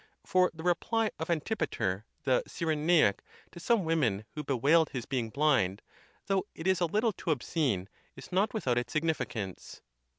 For the reply of Antip ater the Cyrenaic to some women who bewailed his be ing blind, though it is a little too obscene, is not without its significance.